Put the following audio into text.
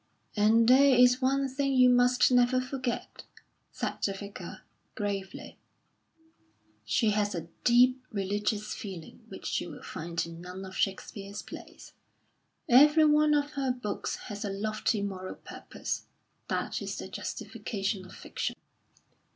"And there is one thing you must never forget," said the Vicar, gravely, "she has a deep, religious feeling which you will find in none of Shakespeare's plays. Every one of her books has a lofty moral purpose. That is the justification of fiction.